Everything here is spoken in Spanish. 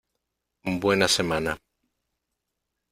Buena semana.